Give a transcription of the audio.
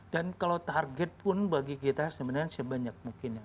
dan kalau target pun bagi kita sebenarnya sebanyak mungkin ya